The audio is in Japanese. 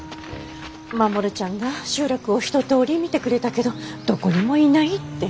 まもるちゃんが集落を一とおり見てくれたけどどこにもいないって。